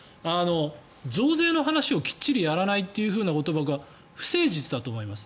増税の話をきっちりやらないということは不誠実だと思います。